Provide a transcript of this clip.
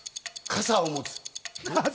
傘を持つ。